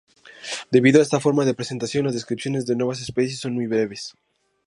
Debido a esta forma de presentación, las descripciones de nuevas especies son muy breves.